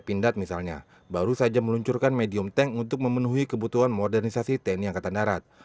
pindad misalnya baru saja meluncurkan medium tank untuk memenuhi kebutuhan modernisasi tni angkatan darat